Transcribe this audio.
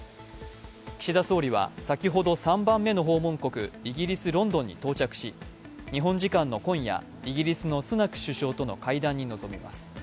岸田総理は先ほど３番目の訪問国、イギリス・ロンドンに到着し日本時間の今夜イギリスのスナク首相との会談に臨みます。